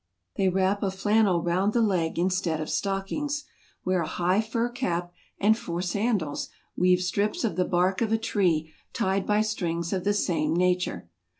They wrap a flannel round the leg instead of stockings; wear a high fur cap; and for sandals, weave strips of the bark of a tree tied by strings of the same nature.